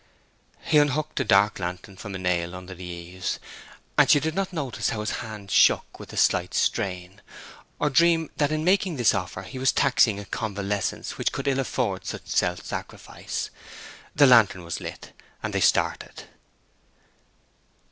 He unhooked a dark lantern from a nail under the eaves and she did not notice how his hand shook with the slight strain, or dream that in making this offer he was taxing a convalescence which could ill afford such self sacrifice. The lantern was lit, and they started.